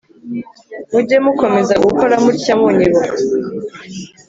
Mujye mukomeza gukora mutya munyibuka